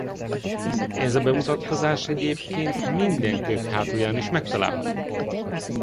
Ez a bemutatkozás egyébként minden könyv hátulján is megtalálható!